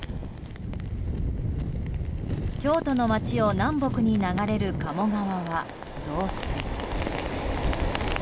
京都の街を南北に流れる鴨川は増水。